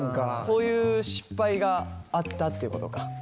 そういう失敗があったっていうことか？